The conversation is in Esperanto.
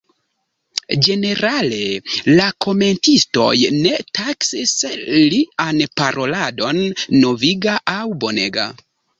Ĝenerale, la komentistoj ne taksis lian paroladon noviga aŭ bonega.